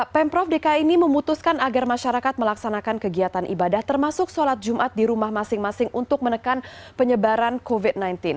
pemprov dki ini memutuskan agar masyarakat melaksanakan kegiatan ibadah termasuk sholat jumat di rumah masing masing untuk menekan penyebaran covid sembilan belas